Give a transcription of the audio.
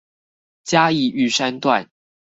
嘉義玉山段